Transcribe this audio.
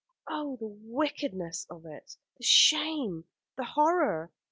Oh, the wickedness of it! the shame, the horror!